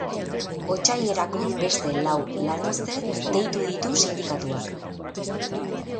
Otsailerako beste lau lanuzte deitu ditu sindikatuak.